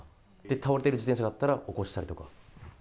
倒れている自転車があったら起こしたりとか。